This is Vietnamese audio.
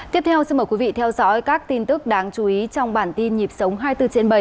tiếp theo xin mời quý vị theo dõi các tin tức đáng chú ý trong bản tin nhịp sống hai mươi bốn trên bảy